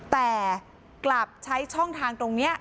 แต่กลับใช้ช่องทางตรงนี้